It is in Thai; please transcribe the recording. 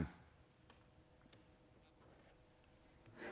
และด้วยร่างกายในการแด่งเขลไกดิ์